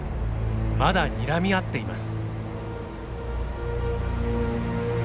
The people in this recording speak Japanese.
まだにらみ合っています。